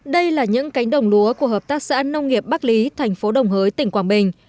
đây là những cánh đồng lúa của hợp tác xã nông nghiệp bắc lý thành phố đồng hới tỉnh quảng bình